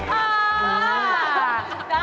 พับค่ะโอ้โฮ